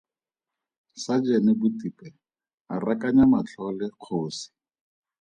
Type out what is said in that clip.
Sajene Botipe a rakanya matlho le kgosi.